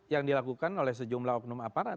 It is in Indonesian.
yang dilakukan oleh sejumlah oknum aparat